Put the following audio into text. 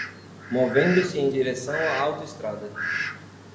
Movendo-se em direção à autoestrada